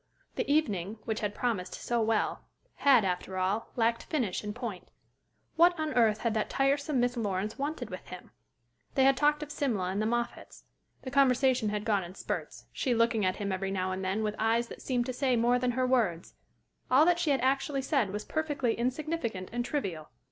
The evening, which had promised so well, had, after all, lacked finish and point. What on earth had that tiresome Miss Lawrence wanted with him? They had talked of Simla and the Moffatts. The conversation had gone in spurts, she looking at him every now and then with eyes that seemed to say more than her words. All that she had actually said was perfectly insignificant and trivial.